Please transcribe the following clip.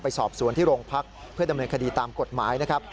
สอบสวนที่โรงพักเพื่อดำเนินคดีตามกฎหมายนะครับ